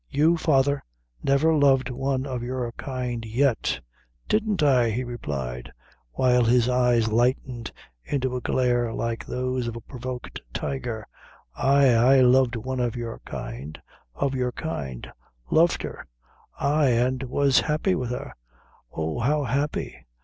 You, father, never loved one of your own kind yet." "Didn't I?" he replied, while his eyes lightened into a glare like those of a provoked tiger; "ay, I loved one of our kind of your kind; loved her ay, an' was happy wid her oh, how happy.